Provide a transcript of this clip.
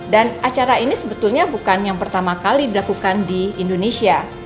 dan acara ini sebetulnya bukan yang pertama kali dilakukan di indonesia